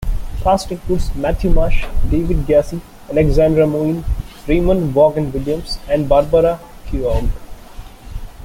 Cast includes Matthew Marsh, David Gyasi, Alexandra Moen, Ramon Vaughan-Williams and Barbara Keogh.